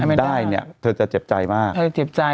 อาเมนด้าได้เนี้ยเธอจะเจ็บใจมากเธอจะเจ็บใจ